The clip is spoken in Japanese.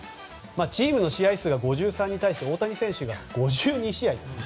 チームの試合数が５３に対して大谷選手が５２試合と。